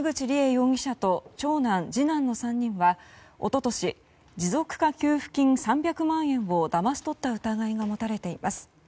容疑者と長男、次男の３人は一昨年持続化給付金３００万円をだまし取った疑いが持たれています。